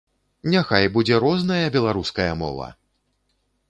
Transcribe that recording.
Няхай будзе розная беларуская мова!